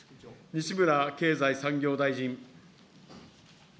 西村経済産業大臣。